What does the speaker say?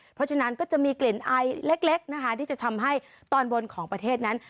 เพราะฉะนั้นก็จะมีกลิ่นไอเล็กนะคะที่จะทำให้ตอนบนของประเทศนั้น